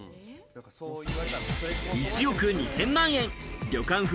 １億２０００万円旅館風